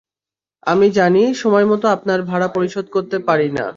আমি জানি সময়মতো আপনার ভাড়া পরিশোধ করতে পারি না।